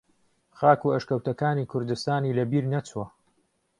خاک و ئەشکەوتەکانی کوردستانی لە بیر نەچووە